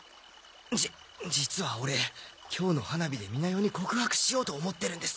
じ実はオレ今日の花火で美奈代に告白しようと思ってるんです。